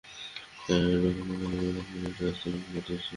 Cat, যখন দেখেছিলে তখন এটার স্থানাঙ্ক কত ছিল?